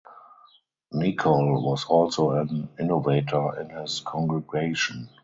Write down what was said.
Nicol was also an innovator in his congregation.